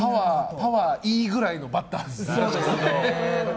パワーＥぐらいのバッターだよね。